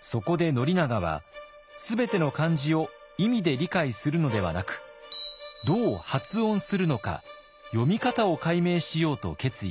そこで宣長は全ての漢字を意味で理解するのではなくどう発音するのか読み方を解明しようと決意しました。